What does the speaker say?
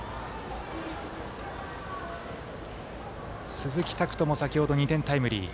鈴木拓斗も先ほど２点タイムリー。